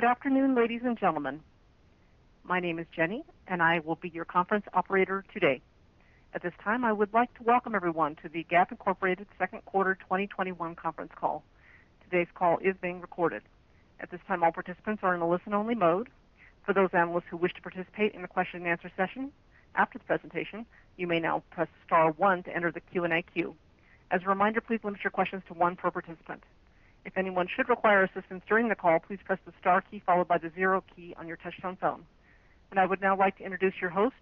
Good afternoon, ladies and gentlemen. My name is Jenny. I will be your conference operator today. At this time, I would like to welcome everyone to the Gap Incorporated second quarter 2021 conference call. Today's call is being recorded. At this time, all participants are in a listen-only mode. For those analysts who wish to participate in the question and answer session after the presentation, you may now press star one to enter the Q&A queue. As a reminder, please limit your questions to 1 per participant. If anyone should require assistance during the call, please press the star key followed by the zero key on your touchtone phone. I would now like to introduce your host,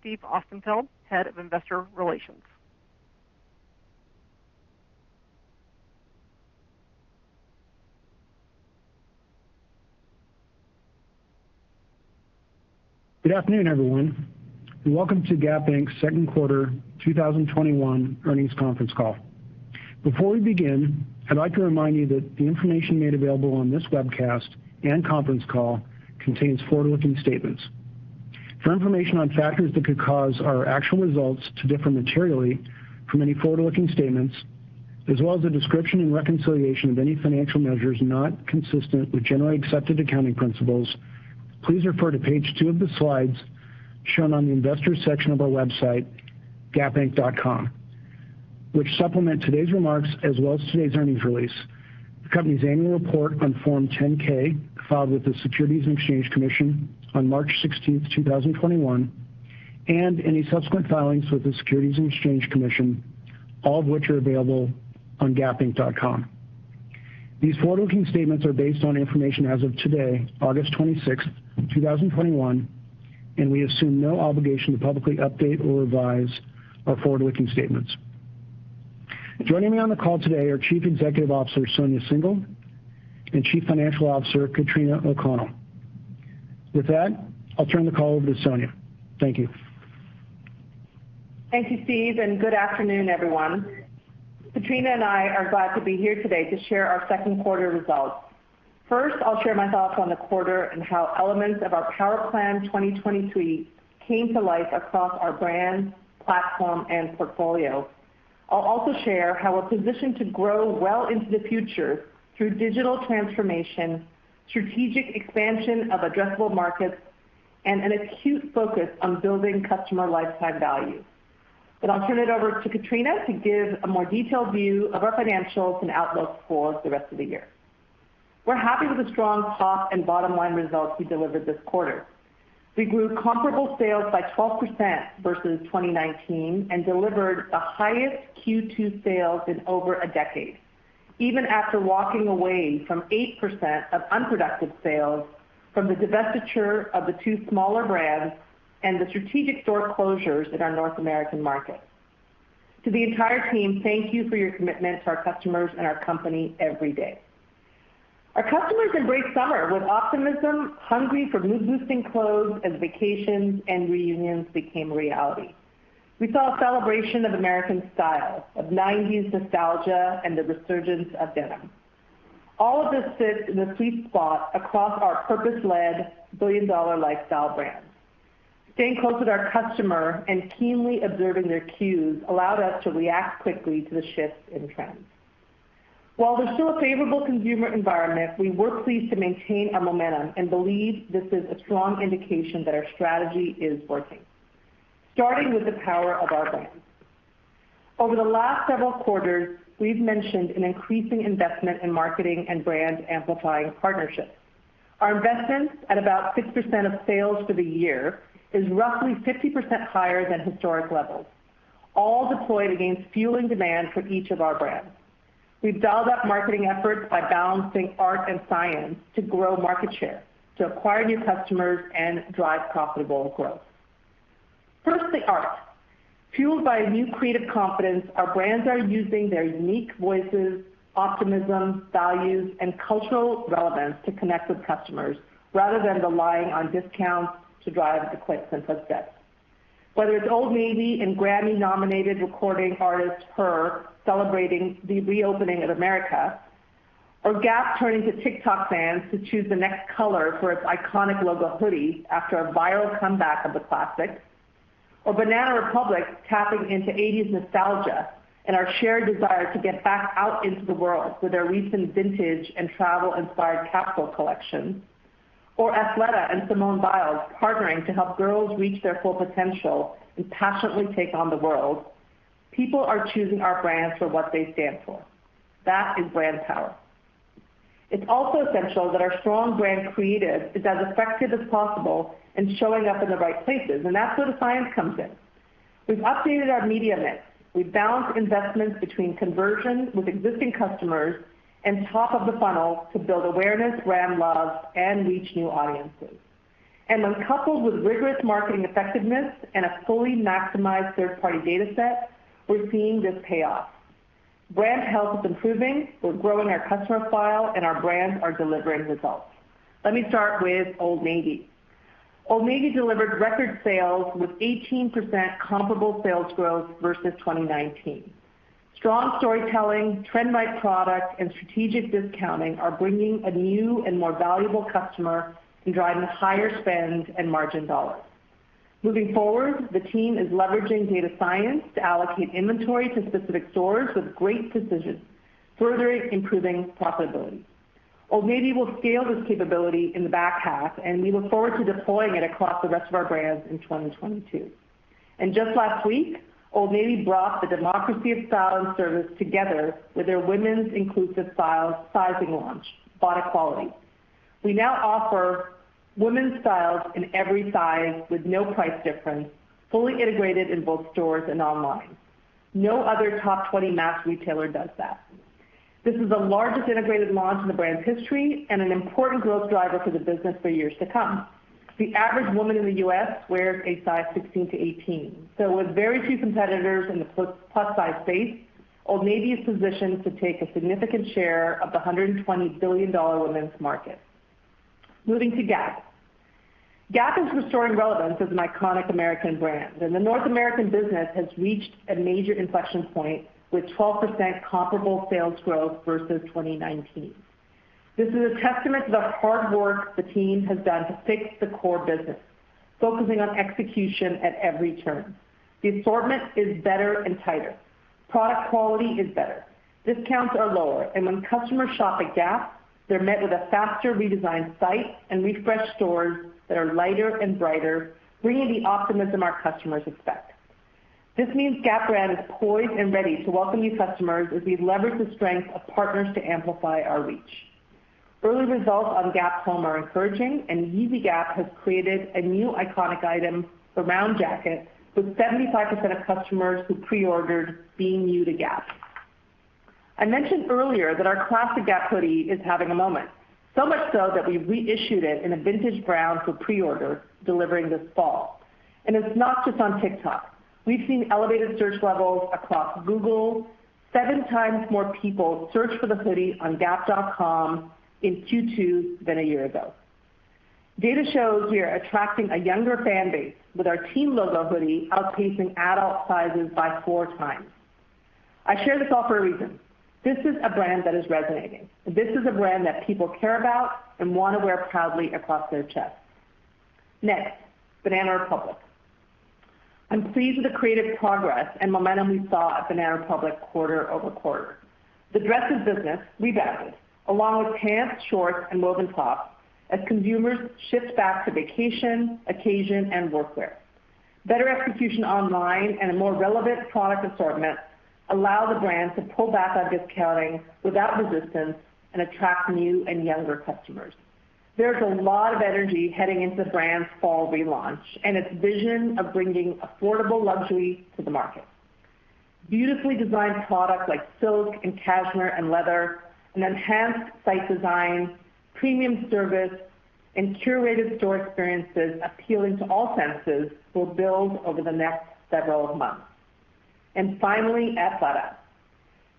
Steve Austenfeld, Head of Investor Relations. Good afternoon, everyone, welcome to Gap Inc.'s second quarter 2021 earnings conference call. Before we begin, I'd like to remind you that the information made available on this webcast and conference call contains forward-looking statements. For information on factors that could cause our actual results to differ materially from any forward-looking statements, as well as a description and reconciliation of any financial measures not consistent with generally accepted accounting principles, please refer to page 2 of the slides shown on the investors section of our website, gapinc.com, which supplement today's remarks as well as today's earnings release, the company's annual report on Form 10-K filed with the Securities and Exchange Commission on March 16, 2021, and any subsequent filings with the Securities and Exchange Commission, all of which are available on gapinc.com. These forward-looking statements are based on information as of today, August 26th, 2021. We assume no obligation to publicly update or revise our forward-looking statements. Joining me on the call today are Chief Executive Officer, Sonia Syngal, and Chief Financial Officer, Katrina O'Connell. With that, I'll turn the call over to Sonia. Thank you. Thank you, Steve, and good afternoon, everyone. Katrina and I are glad to be here today to share our second quarter results. First, I'll share my thoughts on the quarter and how elements of our Power Plan 2023 came to life across our brand, platform, and portfolio. I'll also share how we're positioned to grow well into the future through digital transformation, strategic expansion of addressable markets, and an acute focus on building customer lifetime value. I'll turn it over to Katrina to give a more detailed view of our financials and outlook for the rest of the year. We're happy with the strong top and bottom-line results we delivered this quarter. We grew comparable sales by 12% versus 2019 and delivered the highest Q2 sales in over a decade, even after walking away from 8% of unproductive sales from the divestiture of the two smaller brands and the strategic store closures in our North American markets. To the entire team, thank you for your commitment to our customers and our company every day. Our customers embraced summer with optimism, hungry for mood-boosting clothes as vacations and reunions became a reality. We saw a celebration of American style, of 1990s nostalgia, and the resurgence of denim. All of this sits in the sweet spot across our purpose-led billion-dollar lifestyle brands. Staying close with our customer and keenly observing their cues allowed us to react quickly to the shifts in trends. While there's still a favorable consumer environment, we were pleased to maintain our momentum and believe this is a strong indication that our strategy is working. Starting with the power of our brands. Over the last several quarters, we've mentioned an increasing investment in marketing and brand-amplifying partnerships. Our investments, at about 6% of sales for the year, is roughly 50% higher than historic levels, all deployed against fueling demand for each of our brands. We've dialed up marketing efforts by balancing art and science to grow market share, to acquire new customers, and drive profitable growth. First, the art. Fueled by a new creative confidence, our brands are using their unique voices, optimism, values, and cultural relevance to connect with customers rather than relying on discounts to drive a quick sense of fit. Whether it's Old Navy and Grammy-nominated recording artist H.E.R. celebrating the reopening of America, or Gap turning to TikTok fans to choose the next color for its iconic logo hoodie after a viral comeback of the classic, or Banana Republic tapping into 1980s nostalgia and our shared desire to get back out into the world with their recent vintage and travel-inspired capsule collection, or Athleta and Simone Biles partnering to help girls reach their full potential and passionately take on the world, people are choosing our brands for what they stand for. That is brand power. It's also essential that our strong brand creative is as effective as possible and showing up in the right places, and that's where the science comes in. We've updated our media mix. We've balanced investments between conversion with existing customers and top of the funnel to build awareness, brand love, and reach new audiences. When coupled with rigorous marketing effectiveness and a fully maximized third-party data set, we're seeing this pay off. Brand health is improving. We're growing our customer file, and our brands are delivering results. Let me start with Old Navy. Old Navy delivered record sales with 18% comparable sales growth versus 2019. Strong storytelling, trend-right product, and strategic discounting are bringing a new and more valuable customer and driving higher spend and margin dollars. Moving forward, the team is leveraging data science to allocate inventory to specific stores with great precision, further improving profitability. Old Navy will scale this capability in the back half, and we look forward to deploying it across the rest of our brands in 2022. Just last week, Old Navy brought the democracy of style and service together with their women's inclusive sizing launch, BODEQUALITY. We now offer women's styles in every size with no price difference, fully integrated in both stores and online. No other top 20 mass retailer does that. This is the largest integrated launch in the brand's history and an important growth driver for the business for years to come. The average woman in the U.S. wears a size 16 to 18, so with very few competitors in the plus-size space, Old Navy is positioned to take a significant share of the $120 billion women's market. Moving to Gap. Gap is restoring relevance as an iconic American brand, and the North American business has reached a major inflection point with 12% comparable sales growth versus 2019. This is a testament to the hard work the team has done to fix the core business, focusing on execution at every turn. The assortment is better and tighter. Product quality is better. Discounts are lower. When customers shop at Gap, they're met with a faster redesigned site and refreshed stores that are lighter and brighter, bringing the optimism our customers expect. This means Gap brand is poised and ready to welcome new customers as we leverage the strength of Partner to Amplify our reach. Early results on Gap Home are encouraging, Yeezy Gap has created a new iconic item, the Round Jacket, with 75% of customers who pre-ordered being new to Gap. I mentioned earlier that our classic Gap hoodie is having a moment, so much so that we reissued it in a vintage brown for pre-order, delivering this fall. It's not just on TikTok. We've seen elevated search levels across Google. 7 times more people searched for the hoodie on gap.com in Q2 than a year ago. Data shows we are attracting a younger fan base, with our team logo hoodie outpacing adult sizes by four times. I share this all for a reason. This is a brand that is resonating. This is a brand that people care about and want to wear proudly across their chest. Next, Banana Republic. I'm pleased with the creative progress and momentum we saw at Banana Republic quarter-over-quarter. The dresses business rebounded along with pants, shorts, and woven tops as consumers shift back to vacation, occasion, and workwear. Better execution online and a more relevant product assortment allow the brand to pull back on discounting without resistance and attract new and younger customers. There's a lot of energy heading into the brand's fall relaunch and its vision of bringing affordable luxury to the market. Beautifully designed products like silk and cashmere and leather, an enhanced site design, premium service, and curated store experiences appealing to all senses will build over the next several months. Finally, Athleta,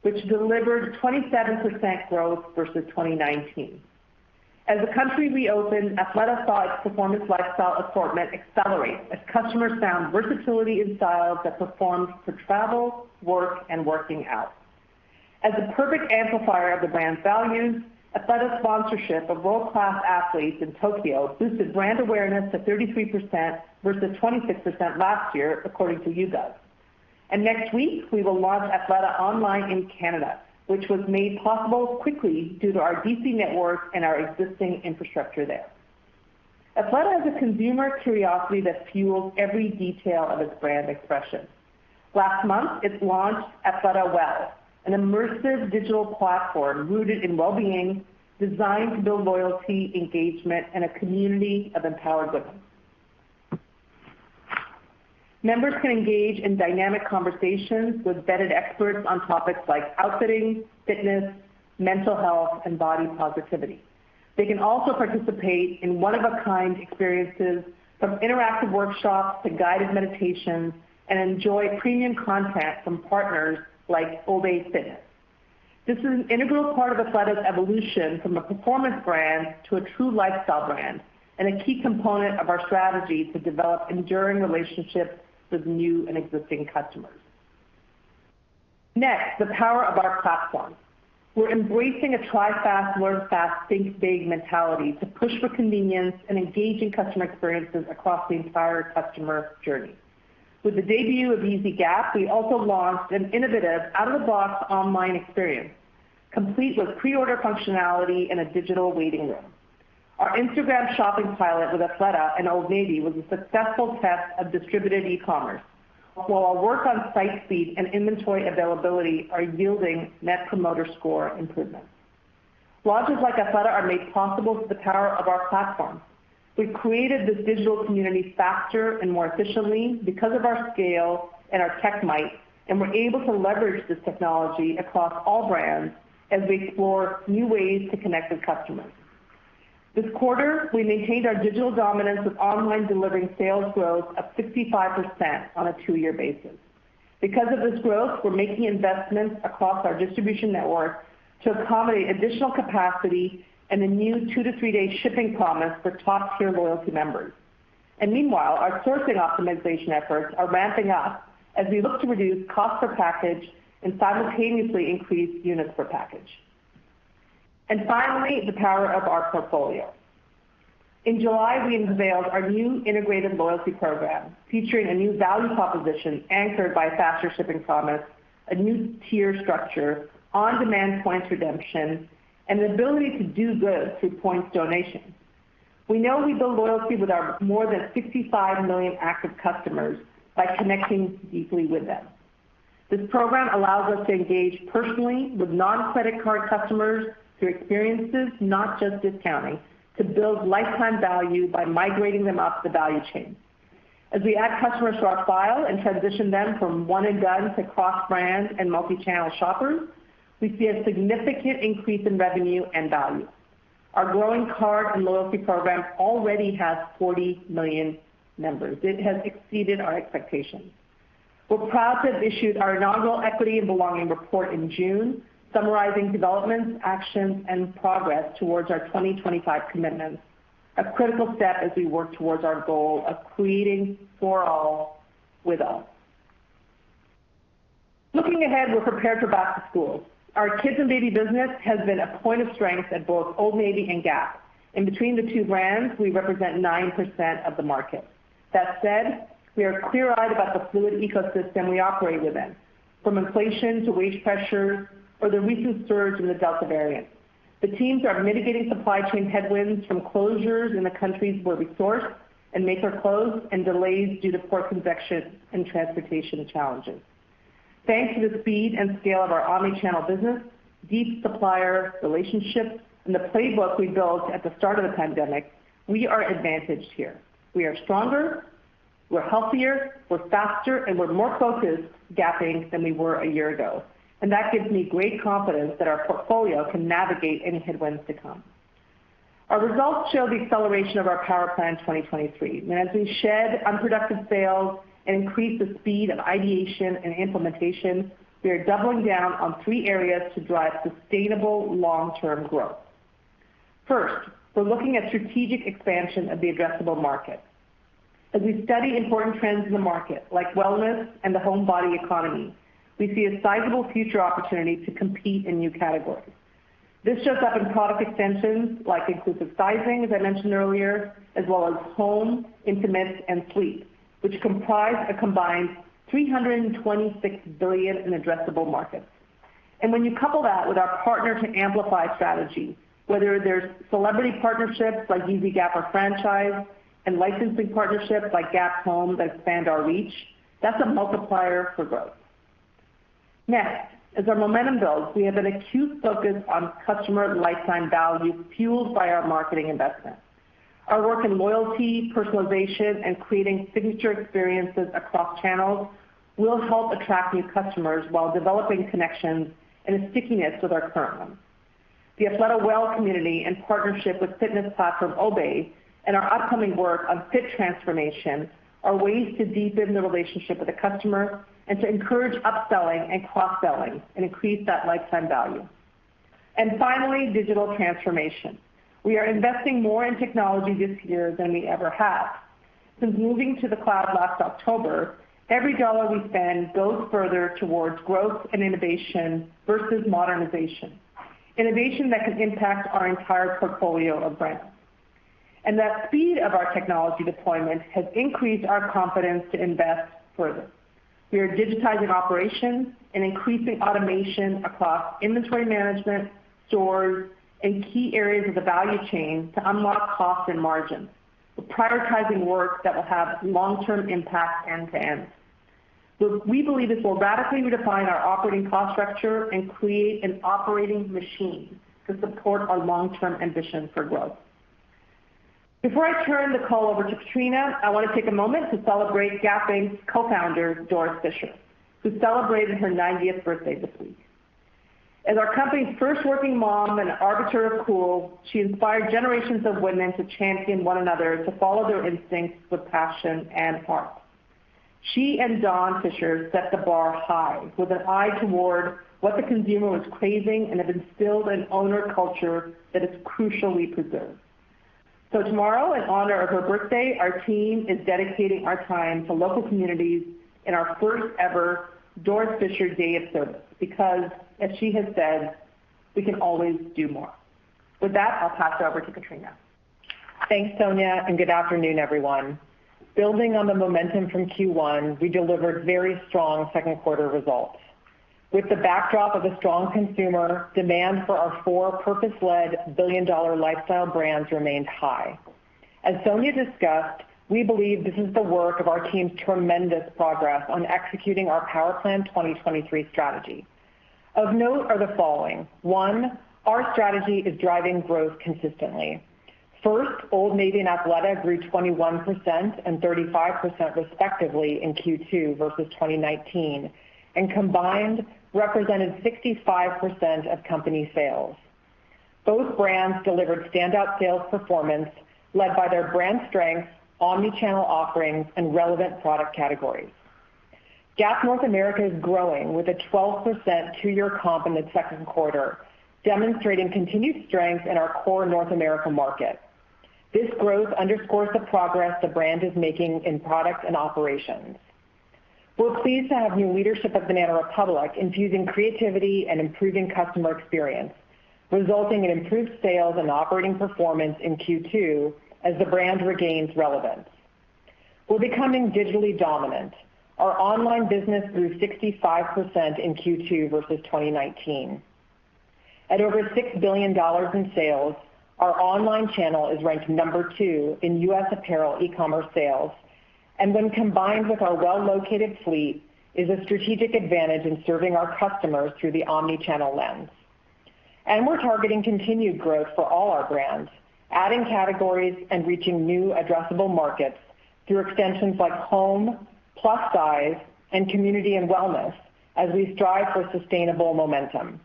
which delivered 27% growth versus 2019. As the country reopened, Athleta saw its performance lifestyle assortment accelerate as customers found versatility in styles that performed for travel, work, and working out. As the perfect amplifier of the brand's values, Athleta's sponsorship of world-class athletes in Tokyo boosted brand awareness to 33% versus 26% last year, according to YouGov. Next week, we will launch Athleta online in Canada, which was made possible quickly due to our D.C. network and our existing infrastructure there. Athleta has a consumer curiosity that fuels every detail of its brand expression. Last month, it launched AthletaWell, an immersive digital platform rooted in wellbeing, designed to build loyalty, engagement, and a community of empowered women. Members can engage in dynamic conversations with vetted experts on topics like outfitting, fitness, mental health, and body positivity. They can also participate in one-of-a-kind experiences, from interactive workshops to guided meditations, and enjoy premium content from partners like obé Fitness. This is an integral part of Athleta's evolution from a performance brand to a true lifestyle brand and a key component of our strategy to develop enduring relationships with new and existing customers. Next, the power of our platform. We're embracing a try fast, learn fast, think big mentality to push for convenience and engaging customer experiences across the entire customer journey. With the debut of Yeezy Gap, we also launched an innovative out-of-the-box online experience, complete with pre-order functionality and a digital waiting room. Our Instagram shopping pilot with Athleta and Old Navy was a successful test of distributed e-commerce, while our work on site speed and inventory availability are yielding net promoter score improvements. Launches like Athleta are made possible through the power of our platform. We've created this digital community faster and more efficiently because of our scale and our tech might, and we're able to leverage this technology across all brands as we explore new ways to connect with customers. This quarter, we maintained our digital dominance, with online delivering sales growth of 65% on a two-year basis. Because of this growth, we're making investments across our distribution network to accommodate additional capacity and a new two-to-three-day shipping promise for Top Tier loyalty members. Meanwhile, our sourcing optimization efforts are ramping up as we look to reduce cost per package and simultaneously increase units per package. Finally, the power of our portfolio. In July, we unveiled our new integrated loyalty program, featuring a new value proposition anchored by a faster shipping promise, a new tier structure, on-demand points redemption, and the ability to do good through points donation. We know we build loyalty with our more than 65 million active customers by connecting deeply with them. This program allows us to engage personally with non-credit card customers through experiences, not just discounting, to build lifetime value by migrating them up the value chain. As we add customers to our file and transition them from one and done to cross-brand and multi-channel shoppers, we see a significant increase in revenue and value. Our growing card and loyalty program already has 40 million members. It has exceeded our expectations. We're proud to have issued our inaugural Equity and Belonging Report in June, summarizing developments, actions, and progress towards our 2025 commitments, a critical step as we work towards our goal of creating for all with all. Looking ahead, we're prepared for back to school. Our kids and baby business has been a point of strength at both Old Navy and Gap. Between the two brands, we represent 9% of the market. That said, we are clear-eyed about the fluid ecosystem we operate within, from inflation to wage pressure or the recent surge in the Delta variant. The teams are mitigating supply chain headwinds from closures in the countries where we source and make our clothes, and delays due to port congestion and transportation challenges. Thanks to the speed and scale of our omni-channel business, deep supplier relationships, and the playbook we built at the start of the pandemic, we are advantaged here. We are stronger, we're healthier, we're faster, and we're more focused at Gap Inc. than we were a year ago. That gives me great confidence that our portfolio can navigate any headwinds to come. Our results show the acceleration of our Power Plan 2023, and as we shed unproductive sales and increase the speed of ideation and implementation, we are doubling down on three areas to drive sustainable long-term growth. First, we're looking at strategic expansion of the addressable market. As we study important trends in the market, like wellness and the home body economy, we see a sizable future opportunity to compete in new categories. This shows up in product extensions like inclusive sizing, as I mentioned earlier, as well as home, intimates, and sleep, which comprise a combined $326 billion in addressable markets. When you couple that with our Partner to Amplify strategy, whether there's celebrity partnerships like Yeezy Gap or Franchise, and licensing partnerships like Gap Home that expand our reach, that's a multiplier for growth. As our momentum builds, we have an acute focus on customer lifetime value fueled by our marketing investments. Our work in loyalty, personalization, and creating signature experiences across channels will help attract new customers while developing connections and stickiness with our current ones. The AthletaWell Community and partnership with fitness platform obé, and our upcoming work on fit transformation are ways to deepen the relationship with the customer and to encourage upselling and cross-selling and increase that lifetime value. Finally, digital transformation. We are investing more in technology this year than we ever have. Since moving to the cloud last October, every dollar we spend goes further towards growth and innovation versus modernization. Innovation that can impact our entire portfolio of brands. That speed of our technology deployment has increased our confidence to invest further. We are digitizing operations and increasing automation across inventory management, stores, and key areas of the value chain to unlock cost and margin. We're prioritizing work that will have long-term impact end to end. We believe this will radically redefine our operating cost structure and create an operating machine to support our long-term ambition for growth. Before I turn the call over to Katrina, I want to take a moment to celebrate Gap Inc's Co-Founder, Doris Fisher, who celebrated her 90th birthday this week. As our company's first working mom and arbiter of cool, she inspired generations of women to champion one another to follow their instincts with passion and heart. She and Don Fisher set the bar high with an eye toward what the consumer was craving and have instilled an owner culture that is crucially preserved. Tomorrow, in honor of her birthday, our team is dedicating our time to local communities in our first ever Doris Fisher Day of Service, because as she has said, "We can always do more." With that, I'll pass it over to Katrina. Thanks, Sonia, and good afternoon, everyone. Building on the momentum from Q1, we delivered very strong second quarter results. With the backdrop of a strong consumer, demand for our 4 purpose-led billion-dollar lifestyle brands remained high. As Sonia discussed, we believe this is the work of our team's tremendous progress on executing our Power Plan 2023 strategy. Of note are the following. 1. Our strategy is driving growth consistently. First, Old Navy and Athleta grew 21% and 35% respectively in Q2 versus 2019, and combined represented 65% of company sales. Both brands delivered standout sales performance led by their brand strength, omni-channel offerings, and relevant product categories. Gap North America is growing with a 12% two-year comp in the second quarter, demonstrating continued strength in our core North America market. This growth underscores the progress the brand is making in product and operations. We're pleased to have new leadership at Banana Republic infusing creativity and improving customer experience, resulting in improved sales and operating performance in Q2 as the brand regains relevance. We're becoming digitally dominant. Our online business grew 65% in Q2 versus 2019. At over $6 billion in sales, our online channel is ranked number 2 in U.S. apparel e-commerce sales, and when combined with our well-located fleet, is a strategic advantage in serving our customers through the omni-channel lens. We're targeting continued growth for all our brands, adding categories and reaching new addressable markets through extensions like home, plus size, and community and wellness as we strive for sustainable momentum.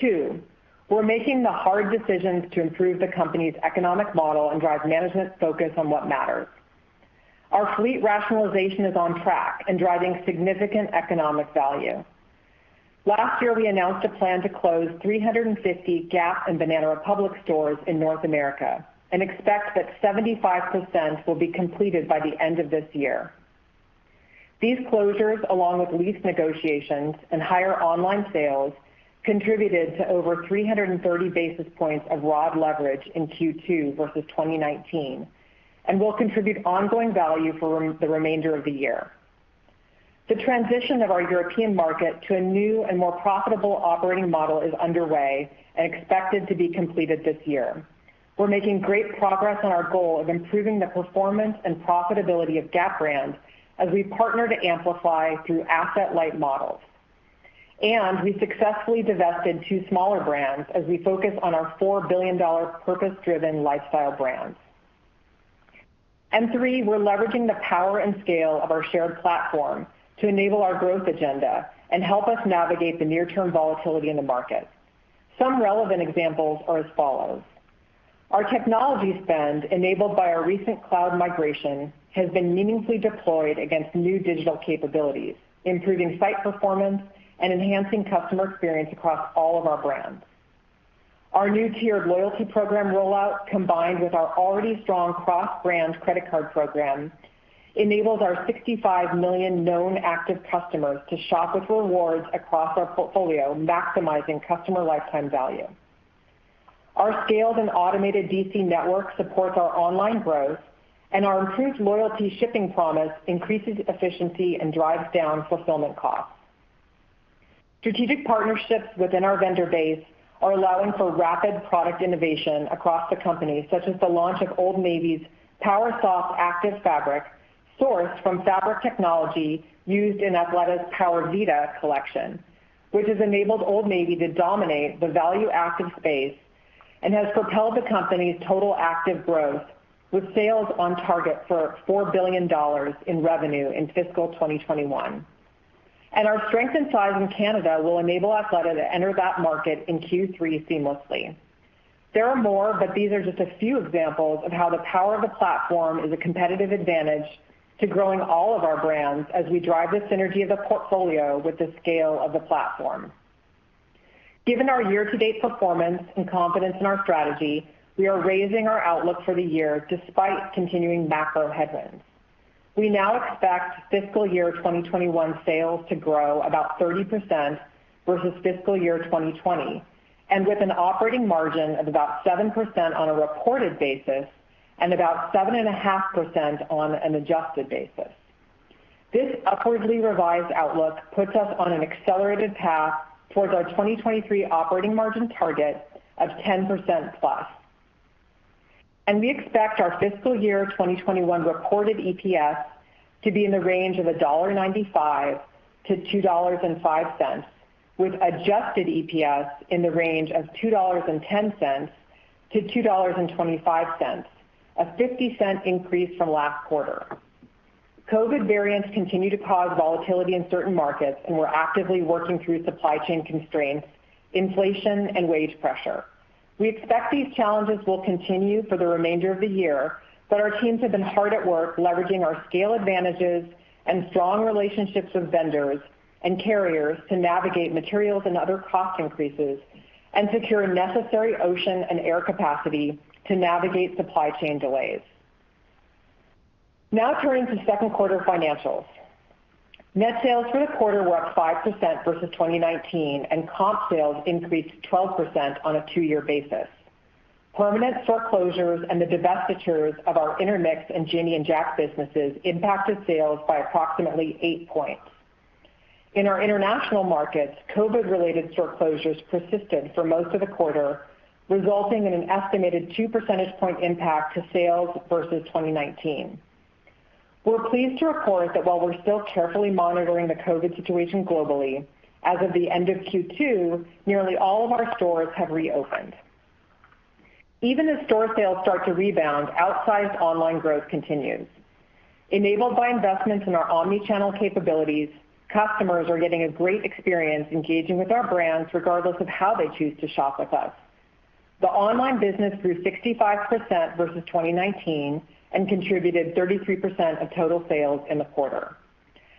2, we're making the hard decisions to improve the company's economic model and drive management's focus on what matters. Our fleet rationalization is on track and driving significant economic value. Last year, we announced a plan to close 350 Gap and Banana Republic stores in North America and expect that 75% will be completed by the end of this year. These closures, along with lease negotiations and higher online sales, contributed to over 330 basis points of ROD leverage in Q2 versus 2019 and will contribute ongoing value for the remainder of the year. The transition of our European market to a new and more profitable operating model is underway and expected to be completed this year. We're making great progress on our goal of improving the performance and profitability of Gap brands as we Partner to Amplify through asset-light models. We successfully divested two smaller brands as we focus on our $4 billion purpose-driven lifestyle brands. 3, we're leveraging the power and scale of our shared platform to enable our growth agenda and help us navigate the near-term volatility in the market. Some relevant examples are as follows. Our technology spend, enabled by our recent cloud migration, has been meaningfully deployed against new digital capabilities, improving site performance and enhancing customer experience across all of our brands. Our new tiered loyalty program rollout, combined with our already strong cross-brand credit card program, enables our 65 million known active customers to shop with rewards across our portfolio, maximizing customer lifetime value. Our scaled and automated DC network supports our online growth, and our improved loyalty shipping promise increases efficiency and drives down fulfillment costs. Strategic partnerships within our vendor base are allowing for rapid product innovation across the company, such as the launch of Old Navy's PowerSoft active fabric, sourced from fabric technology used in Athleta's Powervita collection, which has enabled Old Navy to dominate the value-active space and has propelled the company's total active growth with sales on target for $4 billion in revenue in fiscal 2021. Our strength and size in Canada will enable Athleta to enter that market in Q3 seamlessly. There are more, but these are just a few examples of how the power of the platform is a competitive advantage to growing all of our brands as we drive the synergy of the portfolio with the scale of the platform. Given our year-to-date performance and confidence in our strategy, we are raising our outlook for the year despite continuing macro headwinds. We now expect fiscal year 2021 sales to grow about 30% versus fiscal year 2020, with an operating margin of about 7% on a reported basis and about 7.5% on an adjusted basis. This upwardly revised outlook puts us on an accelerated path towards our 2023 operating margin target of +10%. We expect our fiscal year 2021 reported EPS to be in the range of $1.95 to $2.05, with adjusted EPS in the range of $2.10 to $2.25, a $0.50 increase from last quarter. COVID variants continue to cause volatility in certain markets, and we're actively working through supply chain constraints, inflation, and wage pressure. We expect these challenges will continue for the remainder of the year, but our teams have been hard at work leveraging our scale advantages and strong relationships with vendors and carriers to navigate materials and other cost increases and secure necessary ocean and air capacity to navigate supply chain delays. Now turning to second quarter financials. Net sales for the quarter were up 5% versus 2019, and comp sales increased 12% on a two-year basis. Permanent store closures and the divestitures of our Intermix and Janie and Jack businesses impacted sales by approximately 8 points. In our international markets, COVID-related store closures persisted for most of the quarter, resulting in an estimated 2 percentage point impact to sales versus 2019. We're pleased to report that while we're still carefully monitoring the COVID situation globally, as of the end of Q2, nearly all of our stores have reopened. Even as store sales start to rebound, outsized online growth continues. Enabled by investments in our omni-channel capabilities, customers are getting a great experience engaging with our brands regardless of how they choose to shop with us. The online business grew 65% versus 2019 and contributed 33% of total sales in the quarter.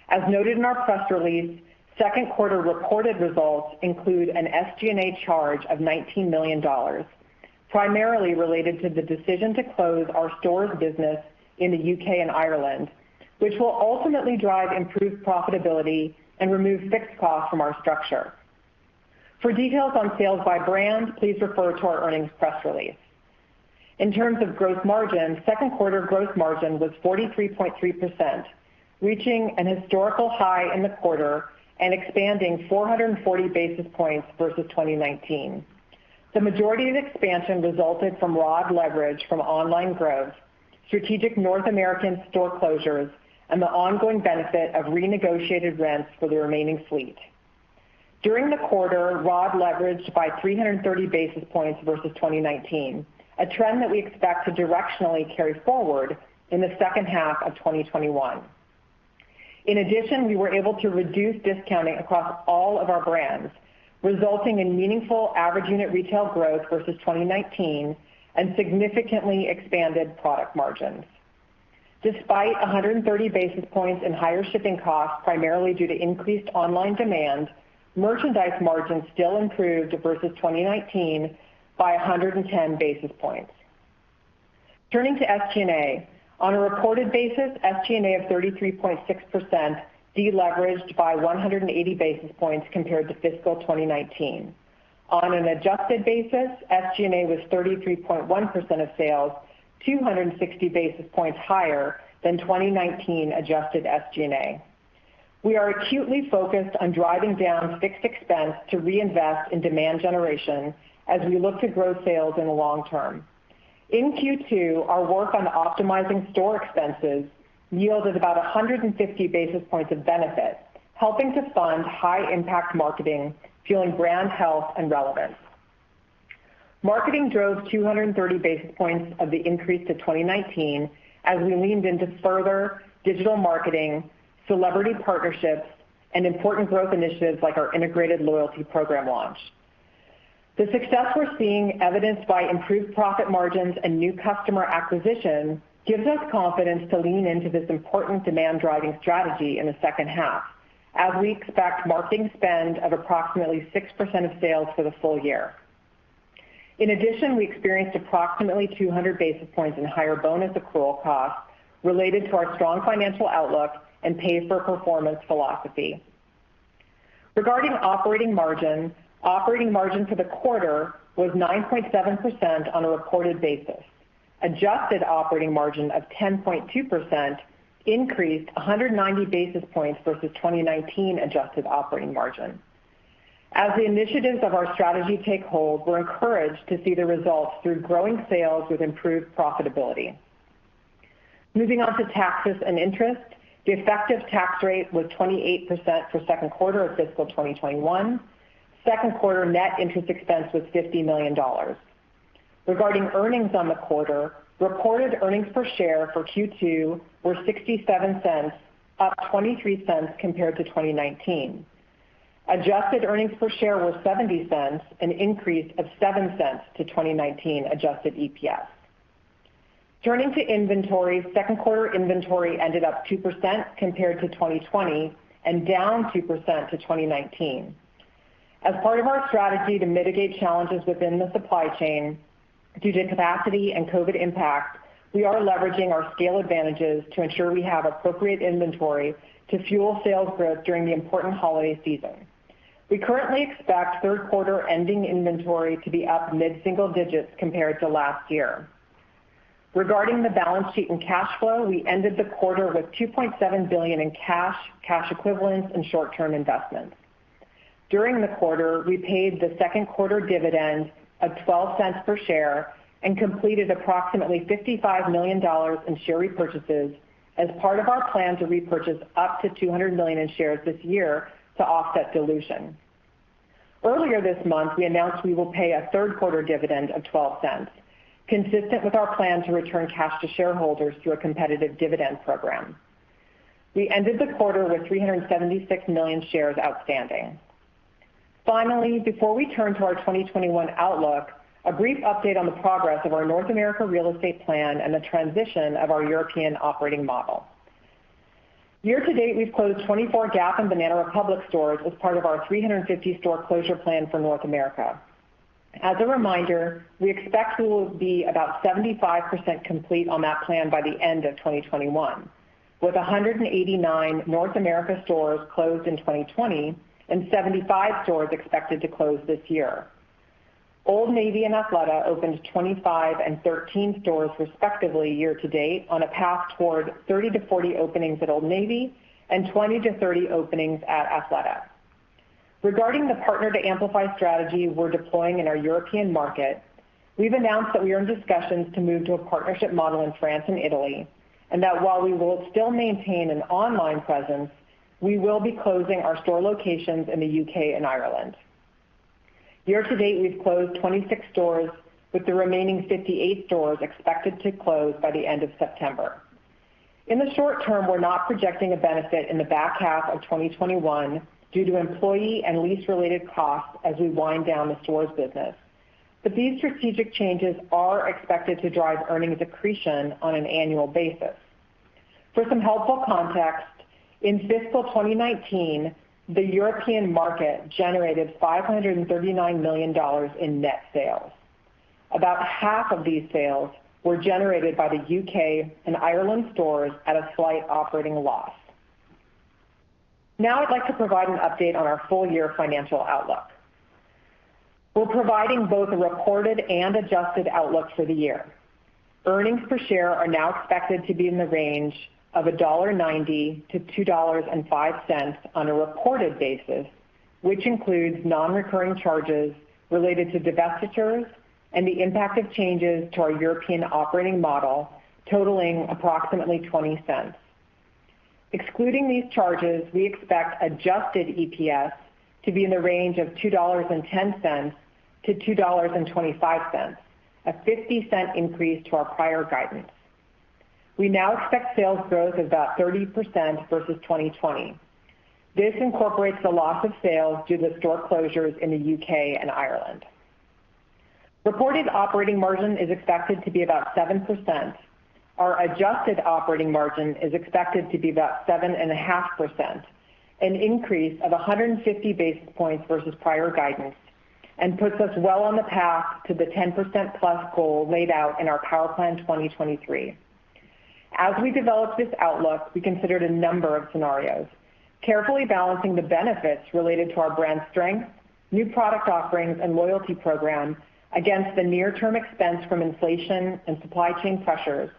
As noted in our press release, second quarter reported results include an SG&A charge of $19 million, primarily related to the decision to close our stores business in the U.K. and Ireland, which will ultimately drive improved profitability and remove fixed costs from our structure. For details on sales by brand, please refer to our earnings press release. In terms of gross margin, second quarter gross margin was 43.3%, reaching an historical high in the quarter and expanding 440 basis points versus 2019. The majority of the expansion resulted from ROD leverage from online growth, strategic North American store closures, and the ongoing benefit of renegotiated rents for the remaining fleet. During the quarter, ROD leveraged by 330 basis points versus 2019, a trend that we expect to directionally carry forward in the second half of 2021. In addition, we were able to reduce discounting across all of our brands, resulting in meaningful average unit retail growth versus 2019, and significantly expanded product margins. Despite 130 basis points and higher shipping costs, primarily due to increased online demand, merchandise margins still improved versus 2019 by 110 basis points. Turning to SG&A. On a reported basis, SG&A of 33.6% deleveraged by 180 basis points compared to fiscal 2019. On an adjusted basis, SG&A was 33.1% of sales, 260 basis points higher than 2019 adjusted SG&A. We are acutely focused on driving down fixed expense to reinvest in demand generation as we look to grow sales in the long term. In Q2, our work on optimizing store expenses yielded about 150 basis points of benefit, helping to fund high impact marketing, fueling brand health and relevance. Marketing drove 230 basis points of the increase to 2019 as we leaned into further digital marketing, celebrity partnerships, and important growth initiatives like our integrated loyalty program launch. The success we're seeing evidenced by improved profit margins and new customer acquisition gives us confidence to lean into this important demand driving strategy in the second half, as we expect marketing spend of approximately 6% of sales for the full year. In addition, we experienced approximately 200 basis points in higher bonus accrual costs related to our strong financial outlook and pay for performance philosophy. Regarding operating margin, operating margin for the quarter was 9.7% on a reported basis. Adjusted operating margin of 10.2% increased 190 basis points versus 2019 adjusted operating margin. As the initiatives of our strategy take hold, we're encouraged to see the results through growing sales with improved profitability. Moving on to taxes and interest. The effective tax rate was 28% for second quarter of fiscal 2021. Second quarter net interest expense was $50 million. Regarding earnings on the quarter, reported earnings per share for Q2 were $0.67, up $0.23 compared to 2019. Adjusted earnings per share were $0.70, an increase of $0.07 to 2019 adjusted EPS. Turning to inventory, second quarter inventory ended up 2% compared to 2020, and down 2% to 2019. As part of our strategy to mitigate challenges within the supply chain due to capacity and COVID impact, we are leveraging our scale advantages to ensure we have appropriate inventory to fuel sales growth during the important holiday season. We currently expect third quarter ending inventory to be up mid-single digits compared to last year. Regarding the balance sheet and cash flow, we ended the quarter with $2.7 billion in cash equivalents, and short-term investments. During the quarter, we paid the second quarter dividend of $0.12 per share and completed approximately $55 million in share repurchases as part of our plan to repurchase up to $200 million in shares this year to offset dilution. Earlier this month, we announced we will pay a third quarter dividend of $0.12, consistent with our plan to return cash to shareholders through a competitive dividend program. We ended the quarter with 376 million shares outstanding. Before we turn to our 2021 outlook, a brief update on the progress of our North America real estate plan and the transition of our European operating model. Year to date, we've closed 24 Gap and Banana Republic stores as part of our 350 store closure plan for North America. As a reminder, we expect we will be about 75% complete on that plan by the end of 2021, with 189 North America stores closed in 2020 and 75 stores expected to close this year. Old Navy and Athleta opened 25 and 13 stores, respectively, year to date on a path toward 30-40 openings at Old Navy and 20-30 openings at Athleta. Regarding the Partner to Amplify strategy we're deploying in our European market, we've announced that we are in discussions to move to a partnership model in France and Italy. While we will still maintain an online presence, we will be closing our store locations in the U.K. and Ireland. Year-to-date, we've closed 26 stores, with the remaining 58 stores expected to close by the end of September. In the short term, we're not projecting a benefit in the back half of 2021 due to employee and lease-related costs as we wind down the stores business. These strategic changes are expected to drive earnings accretion on an annual basis. For some helpful context, in fiscal 2019, the European market generated $539 million in net sales. About half of these sales were generated by the U.K. and Ireland stores at a slight operating loss. Now I'd like to provide an update on our full year financial outlook. We're providing both a reported and adjusted outlook for the year. Earnings per share are now expected to be in the range of $1.90-$2.05 on a reported basis, which includes non-recurring charges related to divestitures and the impact of changes to our European operating model totaling approximately $0.20. Excluding these charges, we expect adjusted EPS to be in the range of $2.10-$2.25, a $0.50 increase to our prior guidance. We now expect sales growth of about 30% versus 2020. This incorporates the loss of sales due to store closures in the U.K. and Ireland. Reported operating margin is expected to be about 7%. Our adjusted operating margin is expected to be about 7.5%, an increase of 150 basis points versus prior guidance, and puts us well on the path to the 10% plus goal laid out in our Power Plan 2023. As we developed this outlook, we considered a number of scenarios, carefully balancing the benefits related to our brand strength, new product offerings, and loyalty program against the near-term expense from inflation and supply chain pressures,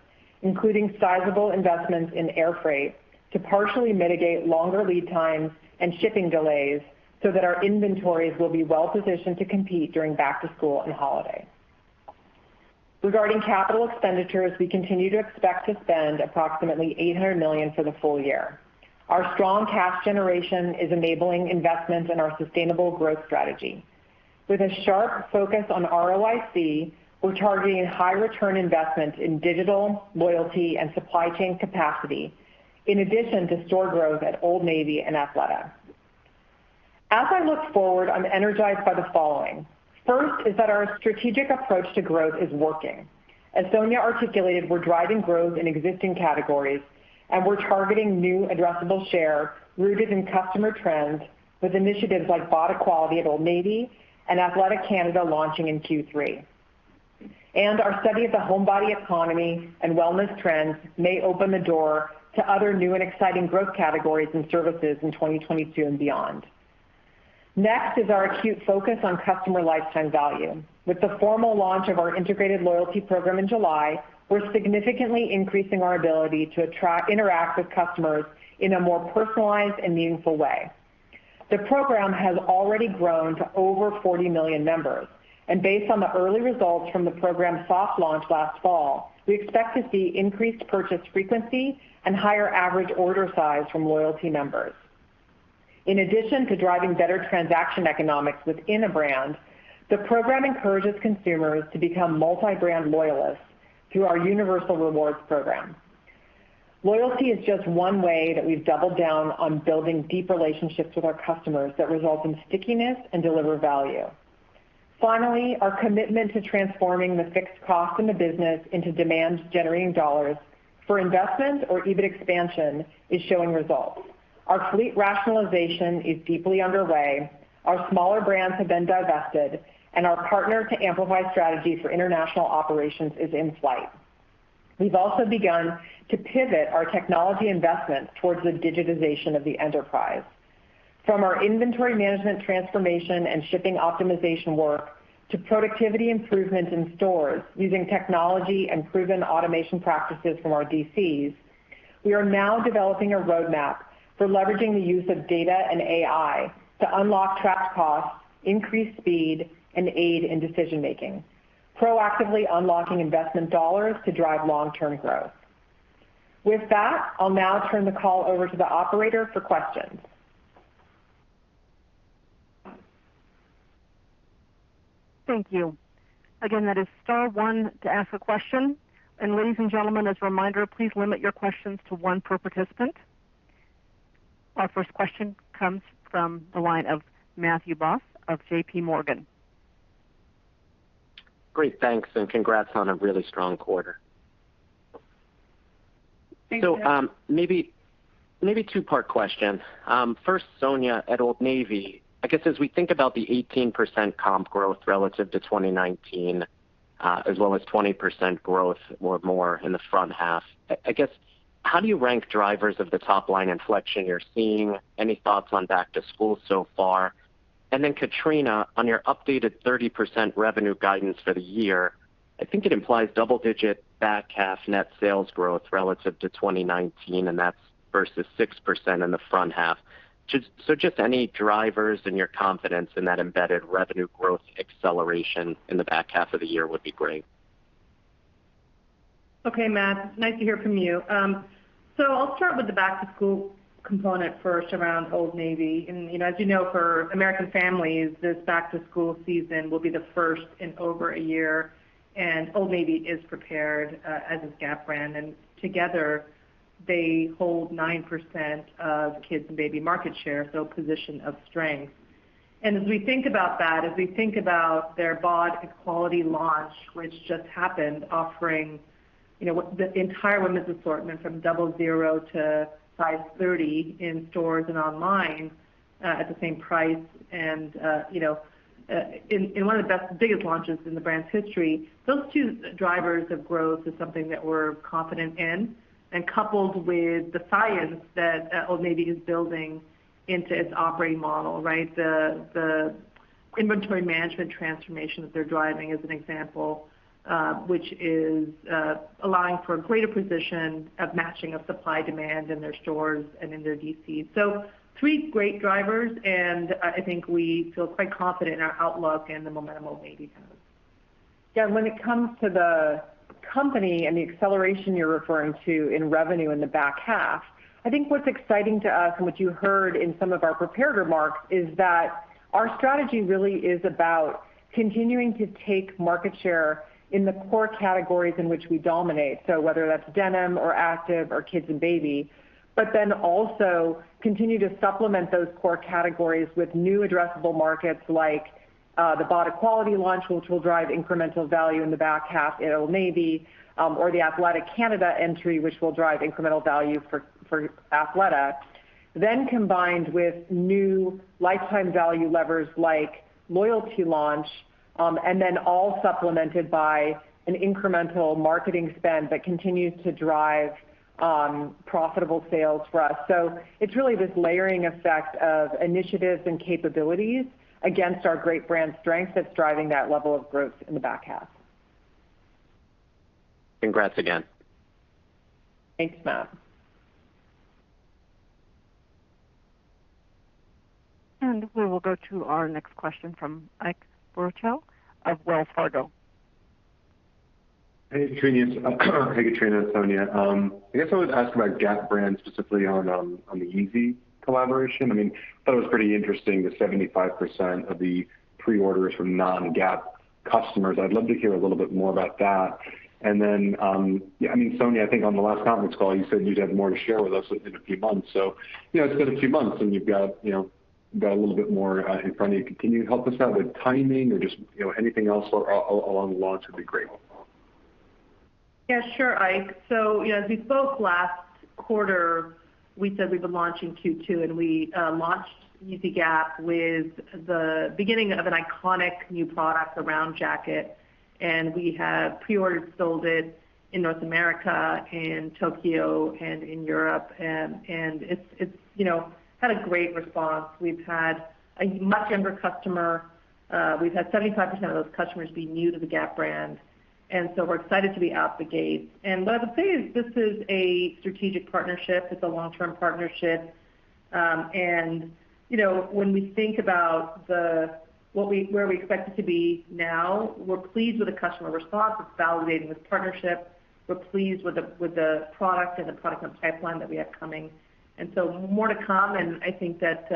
including sizable investments in air freight to partially mitigate longer lead times and shipping delays so that our inventories will be well-positioned to compete during back to school and holiday. Regarding capital expenditures, we continue to expect to spend approximately $800 million for the full year. Our strong cash generation is enabling investments in our sustainable growth strategy. With a sharp focus on ROIC, we're targeting high return investment in digital, loyalty, and supply chain capacity, in addition to store growth at Old Navy and Athleta. As I look forward, I'm energized by the following. First is that our strategic approach to growth is working. As Sonia articulated, we're driving growth in existing categories, and we're targeting new addressable share rooted in customer trends with initiatives like BODEQUALITY at Old Navy and Athleta Canada launching in Q3. Our study of the home body economy and wellness trends may open the door to other new and exciting growth categories and services in 2022 and beyond. Next is our acute focus on customer lifetime value. With the formal launch of our integrated loyalty program in July, we're significantly increasing our ability to interact with customers in a more personalized and meaningful way. The program has already grown to over 40 million members. Based on the early results from the program's soft launch last fall, we expect to see increased purchase frequency and higher average order size from loyalty members. In addition to driving better transaction economics within a brand, the program encourages consumers to become multi-brand loyalists through our universal rewards program. Loyalty is just one way that we've doubled down on building deep relationships with our customers that result in stickiness and deliver value. Finally, our commitment to transforming the fixed cost in the business into demand-generating dollars for investment or EBIT expansion is showing results. Our fleet rationalization is deeply underway. Our smaller brands have been divested, and our Partner to Amplify strategy for international operations is in flight. We've also begun to pivot our technology investments towards the digitization of the enterprise. From our inventory management transformation and shipping optimization work to productivity improvement in stores using technology and proven automation practices from our DCs, we are now developing a roadmap for leveraging the use of data and AI to unlock trapped costs, increase speed, and aid in decision-making, proactively unlocking investment dollars to drive long-term growth. With that, I'll now turn the call over to the operator for questions. Thank you. Ladies and gentlemen, as a reminder, please limit your questions to one per participant. Our first question comes from the line of Matthew Boss of JPMorgan. Great. Thanks, and congrats on a really strong quarter. Thanks, Matt. Maybe a 2-part question. First, Sonia, at Old Navy, I guess as we think about the 18% comp growth relative to 2019 as well as 20% growth or more in the front half, I guess, how do you rank drivers of the top-line inflection you're seeing? Any thoughts on back to school so far? Then Katrina, on your updated 30% revenue guidance for the year, I think it implies double-digit back half net sales growth relative to 2019, and that's versus 6% in the front half. Just any drivers in your confidence in that embedded revenue growth acceleration in the back half of the year would be great. Okay, Matt. Nice to hear from you. I'll start with the back to school component first around Old Navy. As you know, for American families, this back to school season will be the first in over a year, and Old Navy is prepared, as is Gap brand, and together, they hold 9% of kids and baby market share, so position of strength. As we think about that, as we think about their BODEQUALITY launch, which just happened, offering the entire women's assortment from 00 to size 30 in stores and online, at the same price, and in one of the biggest launches in the brand's history. Those 2 drivers of growth is something that we're confident in and coupled with the science that Old Navy is building into its operating model, right? The inventory management transformation that they're driving is an example, which is allowing for a greater position of matching of supply demand in their stores and in their DCs. 3 great drivers, and I think we feel quite confident in our outlook and the momentum Old Navy has. When it comes to the company and the acceleration you're referring to in revenue in the back half, I think what's exciting to us and what you heard in some of our prepared remarks is that our strategy really is about continuing to take market share in the core categories in which we dominate. Whether that's denim or active or kids and baby, also continue to supplement those core categories with new addressable markets like the BODEQUALITY launch, which will drive incremental value in the back half at Old Navy, or the Athleta Canada entry, which will drive incremental value for Athleta. Combined with new lifetime value levers like loyalty launch, all supplemented by an incremental marketing spend that continues to drive profitable sales for us. It's really this layering effect of initiatives and capabilities against our great brand strength that's driving that level of growth in the back half. Congrats again. Thanks, Matt. We will go to our next question from Ike Boruchow of Wells Fargo. Hey, Katrina. Hey, Katrina and Sonia. I guess I would ask about Gap brand specifically on the Yeezy collaboration. I thought it was pretty interesting that 75% of the pre-orders were non-Gap customers. I'd love to hear a little bit more about that. Sonia, I think on the last conference call, you said you'd have more to share with us within a few months. It's been a few months and you've got a little bit more in front of you. Can you help us out with timing or just anything else along the launch would be great. Sure, Ike. As we spoke last quarter, we said we'd be launching Q2. We launched Yeezy Gap with the beginning of an iconic new product, the Round Jacket. We have pre-order sold it in North America and Tokyo and in Europe. It's had a great response. We've had a much younger customer. We've had 75% of those customers be new to the Gap brand. We're excited to be out the gate. What I would say is this is a strategic partnership. It's a long-term partnership. When we think about where we expect it to be now, we're pleased with the customer response. It's validating this partnership. We're pleased with the product and the product pipeline that we have coming. More to come, and I think that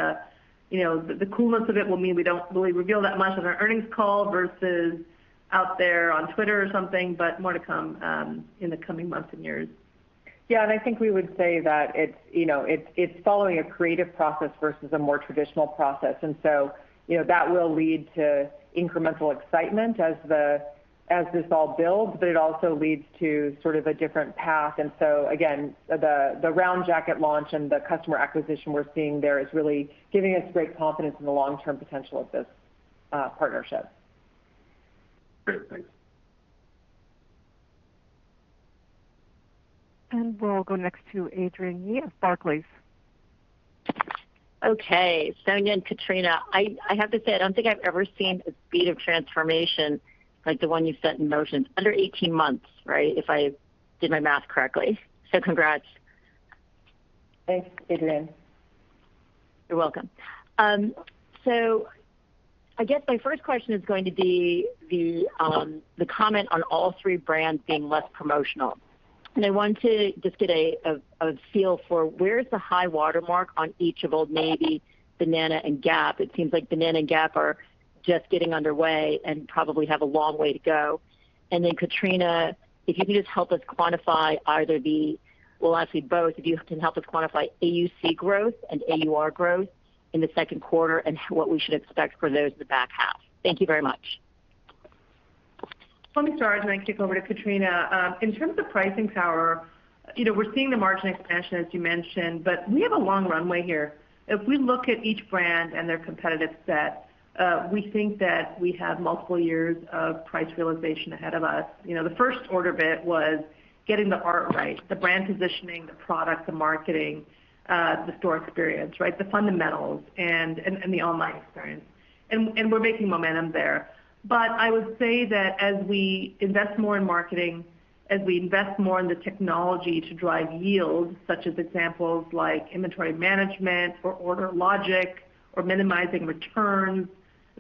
the coolness of it will mean we don't really reveal that much on our earnings call versus out there on Twitter or something. More to come in the coming months and years. Yeah, and I think we would say that it's following a creative process versus a more traditional process, and so that will lead to incremental excitement as this all builds, but it also leads to sort of a different path. Again, the Round Jacket launch and the customer acquisition we're seeing there is really giving us great confidence in the long-term potential of this partnership. Great. Thanks. We'll go next to Adrienne Yih of Barclays. Okay. Sonia and Katrina, I have to say, I don't think I've ever seen a speed of transformation like the one you've set in motion. Under 18 months, right? If I did my math correctly. Congrats. Thanks, Adrienne. You're welcome. I guess my first question is going to be the comment on all three brands being less promotional. I want to just get a feel for where's the high watermark on each of Old Navy, Banana, and Gap. It seems like Banana and Gap are just getting underway and probably have a long way to go. Katrina, if you could just help us quantify either the Well, actually both of you, can you help us quantify AUC growth and AUR growth in the second quarter and what we should expect for those in the back half? Thank you very much. Let me start and then kick over to Katrina. In terms of pricing power, we're seeing the margin expansion, as you mentioned, but we have a long runway here. If we look at each brand and their competitive set, we think that we have multiple years of price realization ahead of us. The first order bit was getting the art right, the brand positioning, the product, the marketing, the store experience, right, the fundamentals and the online experience. We're making momentum there. I would say that as we invest more in marketing, as we invest more in the technology to drive yield, such as examples like inventory management or order logic, or minimizing returns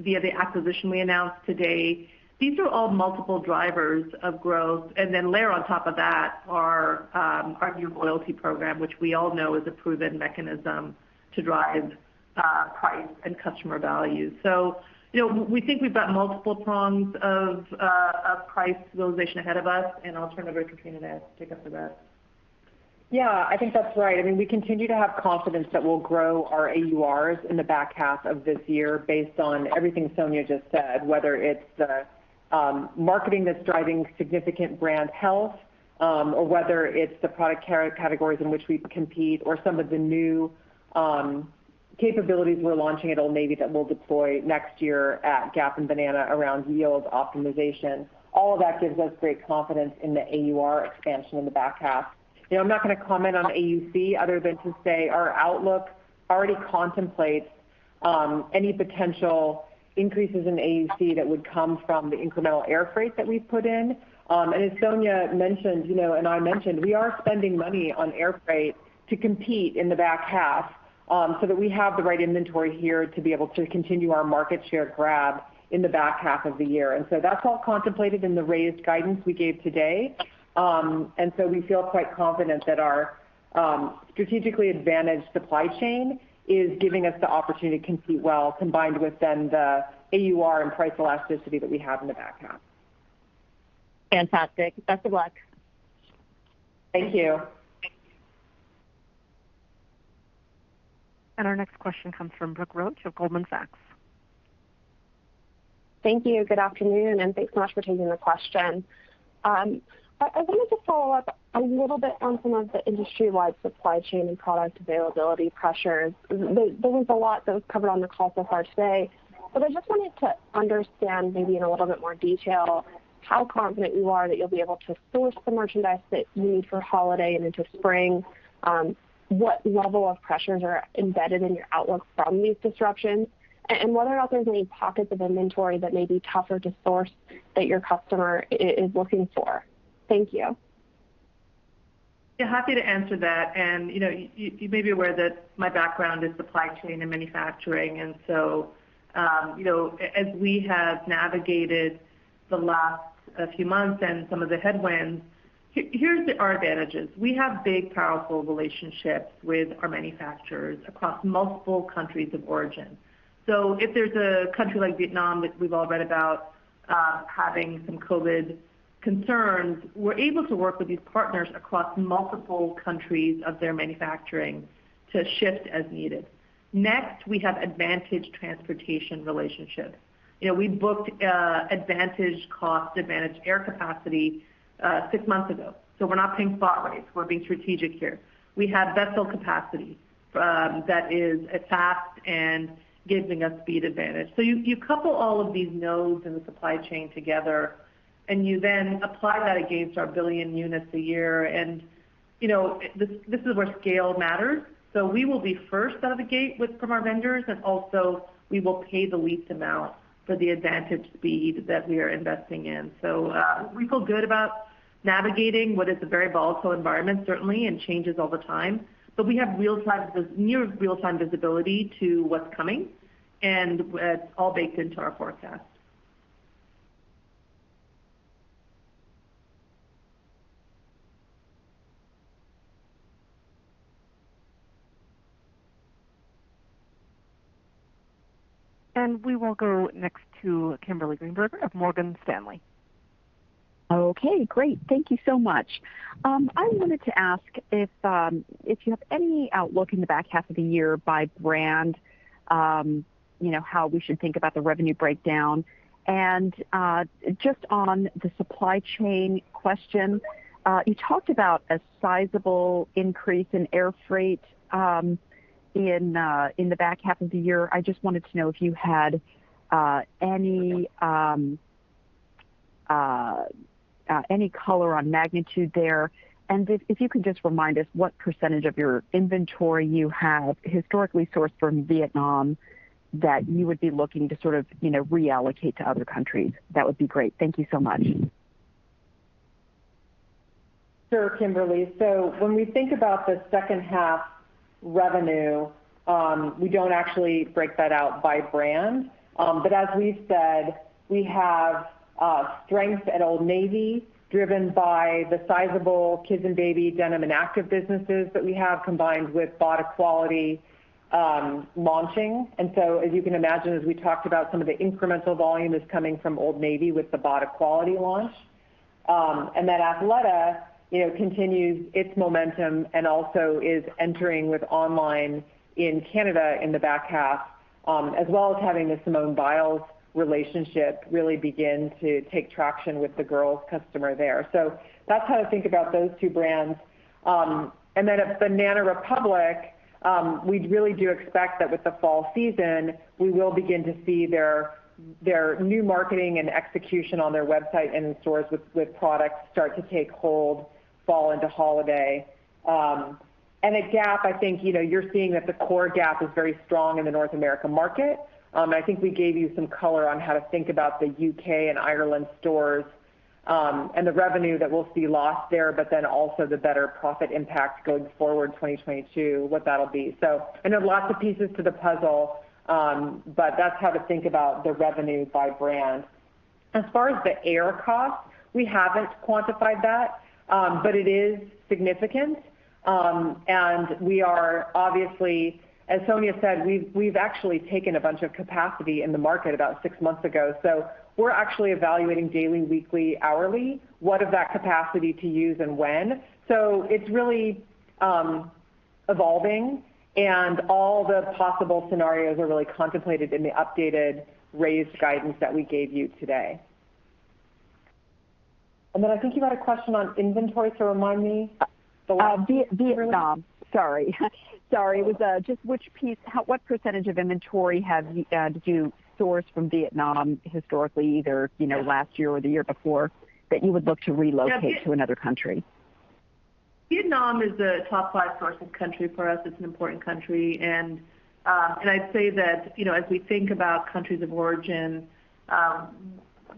via the acquisition we announced today, these are all multiple drivers of growth. Then layer on top of that our new loyalty program, which we all know is a proven mechanism to drive price and customer value. We think we've got multiple prongs of price realization ahead of us, and I'll turn it over to Katrina to take up the rest. I think that's right. We continue to have confidence that we'll grow our AURs in the back half of this year based on everything Sonia just said, whether it's the marketing that's driving significant brand health, or whether it's the product categories in which we compete, or some of the new capabilities we're launching at Old Navy that we'll deploy next year at Gap and Banana around yield optimization. All of that gives us great confidence in the AUR expansion in the back half. I'm not going to comment on AUC other than to say our outlook already contemplates any potential increases in AUC that would come from the incremental air freight that we've put in. As Sonia mentioned, and I mentioned, we are spending money on air freight to compete in the back half so that we have the right inventory here to be able to continue our market share grab in the back half of the year. That's all contemplated in the raised guidance we gave today. We feel quite confident that our strategically advantaged supply chain is giving us the opportunity to compete well, combined with then the AUR and price elasticity that we have in the back half. Fantastic. Best of luck. Thank you. Our next question comes from Brooke Roach of Goldman Sachs. Thank you. Good afternoon, and thanks so much for taking the question. I wanted to follow up a little bit on some of the industry-wide supply chain and product availability pressures. There was a lot that was covered on the call so far today, I just wanted to understand maybe in a little bit more detail how confident you are that you'll be able to source the merchandise that you need for holiday and into spring. What level of pressures are embedded in your outlook from these disruptions, what are all those new pockets of inventory that may be tougher to source that your customer is looking for? Thank you. Yeah, happy to answer that. You may be aware that my background is supply chain and manufacturing. As we have navigated the last few months and some of the headwinds, here's our advantages. We have big, powerful relationships with our manufacturers across multiple countries of origin. If there's a country like Vietnam that we've all read about having some COVID concerns, we're able to work with these partners across multiple countries of their manufacturing to shift as needed. Next, we have advantaged transportation relationships. We booked advantage cost, advantage air capacity 6 months ago. We're not paying spot rates. We're being strategic here. We have vessel capacity that is fast and giving us speed advantage. You couple all of these nodes in the supply chain together, and you then apply that against our billion units a year. This is where scale matters. We will be first out of the gate from our vendors, and also we will pay the least amount for the advantage speed that we are investing in. We feel good about navigating what is a very volatile environment, certainly, and changes all the time. We have near real-time visibility to what's coming, and it's all baked into our forecast. We will go next to Kimberly Greenberger of Morgan Stanley. Okay, great. Thank you so much. I wanted to ask if you have any outlook in the back half of the year by brand, how we should think about the revenue breakdown. Just on the supply chain question, you talked about a sizable increase in air freight in the back half of the year. I just wanted to know if you had any color on magnitude there. If you could just remind us what % of your inventory you have historically sourced from Vietnam that you would be looking to reallocate to other countries. That would be great. Thank you so much. Sure, Kimberly. When we think about the second half revenue, we don't actually break that out by brand. As we've said, we have strength at Old Navy driven by the sizable kids and baby denim and active businesses that we have, combined with BODEQUALITY launching. As you can imagine, as we talked about, some of the incremental volume is coming from Old Navy with the BODEQUALITY launch. Athleta continues its momentum and also is entering with online in Canada in the back half, as well as having the Simone Biles relationship really begin to take traction with the girls customer there. That's how to think about those two brands. At Banana Republic, we really do expect that with the fall season, we will begin to see their new marketing and execution on their website and in stores with products start to take hold fall into holiday. At Gap, I think, you're seeing that the core Gap is very strong in the North America market. I think we gave you some color on how to think about the U.K. and Ireland stores, and the revenue that we'll see lost there, but then also the better profit impact going forward, 2022, what that'll be. I know lots of pieces to the puzzle, but that's how to think about the revenue by brand. As far as the air cost, we haven't quantified that. It is significant. We are obviously, as Sonia said, we've actually taken a bunch of capacity in the market about 6 months ago. We're actually evaluating daily, weekly, hourly what of that capacity to use and when. It's really evolving, and all the possible scenarios are really contemplated in the updated raised guidance that we gave you today. I think you had a question on inventory. Vietnam. Sorry. Just which piece, what percentage of inventory do you source from Vietnam historically, either last year or the year before, that you would look to relocate to another country? Vietnam is a top five sourcing country for us. It's an important country. I'd say that, as we think about countries of origin,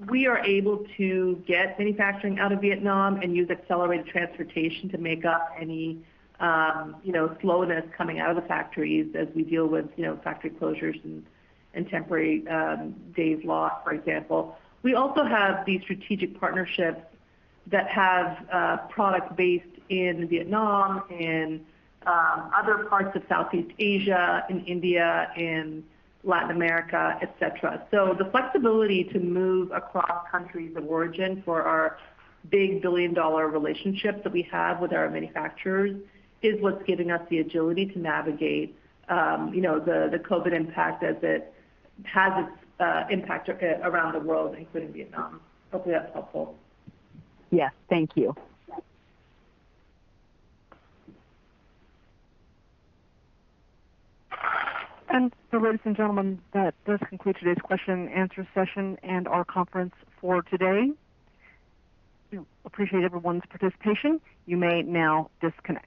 we are able to get manufacturing out of Vietnam and use accelerated transportation to make up any slowness coming out of the factories as we deal with factory closures and temporary days lost, for example. We also have these strategic partnerships that have product based in Vietnam, in other parts of Southeast Asia, in India, in Latin America, et cetera. The flexibility to move across countries of origin for our big billion-dollar relationships that we have with our manufacturers is what's giving us the agility to navigate the COVID impact as it has its impact around the world, including Vietnam. Hopefully that's helpful. Yes. Thank you. Ladies and gentlemen, that does conclude today's question and answer session and our conference for today. We appreciate everyone's participation. You may now disconnect.